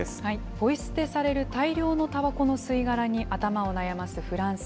ポイ捨てされる大量のたばこの吸い殻に頭を悩ますフランス。